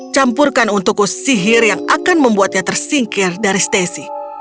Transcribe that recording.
campurkan untukku sihir yang akan membuatnya tersingkir dari stacy